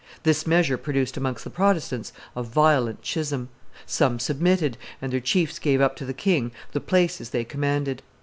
This measure produced amongst the Protestants a violent schism. Some submitted, and their chiefs gave up to the king the places they commanded.